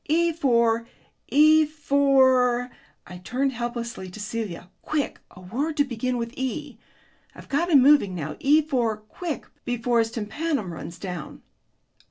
E for E for " I turned helplessly to Celia: "quick, a word to begin with E! I've got him moving now. E for quick, before his tympanum runs down."